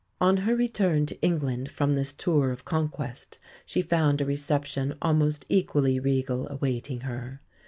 On her return to England from this tour of conquest she found a reception almost equally regal awaiting her.